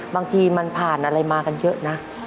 บางทีมันผ่านอะไรมากันเยอะนะ